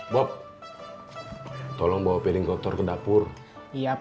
bob tolong bawa piring kotor ke dapur iya pak